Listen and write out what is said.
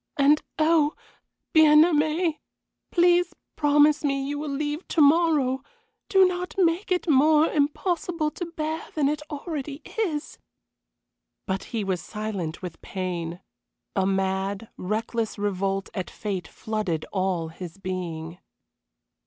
"And oh! Bien aimé, please promise me you will leave to morrow. Do not make it more impossible to bear than it already is." But he was silent with pain. A mad, reckless revolt at fate flooded all his being.